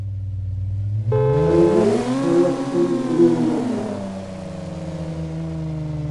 Panzwě ka lɔg shúm ḿbiŋ nzèm.